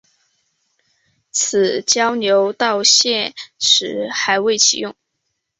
此交流道现时还未启用。